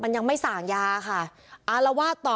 ยังไม่สั่งยาค่ะอารวาสต่อ